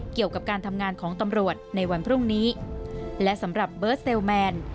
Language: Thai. เกี่ยวกับการทำงานของตำรวจในวันพรุ่งนี้และสำหรับเบิร์ตเซลแมน